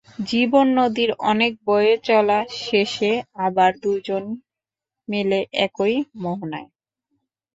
জীবন নদীর অনেক বয়ে চলা শেষে আবার দুজনে মেলে একই মোহনায়।